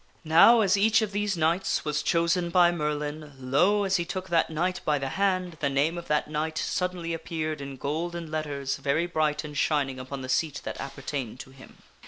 Now as each of these knights was chosen by Merlin, lo ! as he took that knight by the hand, the name of that knight suddenly appeared in golden letters, very bright and shining, upon the seat that appertained to him.